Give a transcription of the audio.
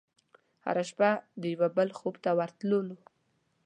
هره شپه د یوه بل خوب ته ورتللو